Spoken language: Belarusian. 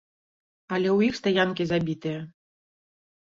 Але ў іх стаянкі забітыя!